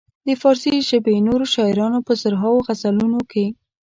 د فارسي ژبې نورو شاعرانو په زرهاوو غزلونو کې.